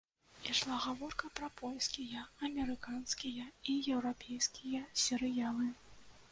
Ішла гаворка пра польскія, амерыканскія і еўрапейскія серыялы.